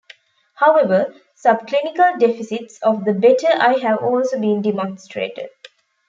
However, subclinical deficits of the "better" eye have also been demonstrated.